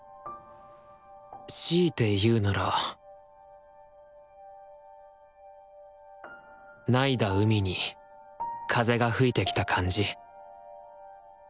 しいて言うなら凪いだ海に風が吹いてきた感じ？